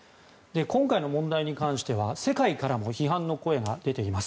今回の問題に関しては世界からも批判の声が出ています。